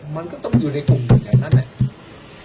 มันก็ต้องอยู่ในกลุ่มหัวใจนั้นเนี่ย